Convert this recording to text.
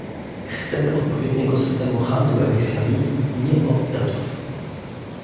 Chcemy odpowiedniego systemu handlu emisjami, nie odstępstw